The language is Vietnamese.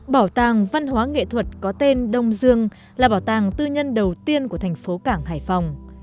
bảo tàng văn hóa nghệ thuật có tên đông dương là bảo tàng tư nhân đầu tiên của thành phố cảng hải phòng